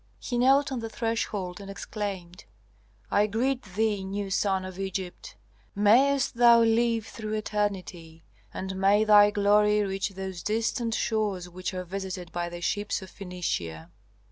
He knelt on the threshold and exclaimed, "I greet thee, new sun of Egypt! Mayst thou live through eternity, and may thy glory reach those distant shores which are visited by the ships of Phœnicia."